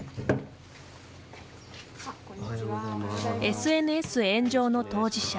ＳＮＳ炎上の当事者